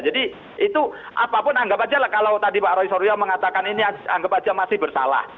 jadi itu apapun anggap aja lah kalau tadi pak roy soryo mengatakan ini anggap aja masih bersalah